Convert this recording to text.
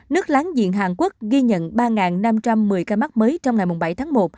nước láng giềng hàn quốc ghi nhận ba năm trăm một mươi ca mắc mới trong ngày bảy tháng một